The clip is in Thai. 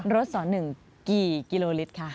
รถส่อหนึ่งกี่กิโลลิตรค่ะ